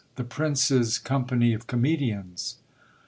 — The Prince's company of comedians.